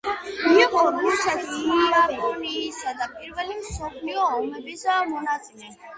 იყო რუსეთ-იაპონიისა და პირველი მსოფლიო ომების მონაწილე.